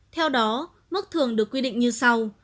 theo đó mức thường được quyết định như sau